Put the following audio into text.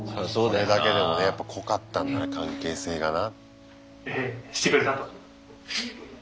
これだけでもやっぱ濃かったんだな関係性がな。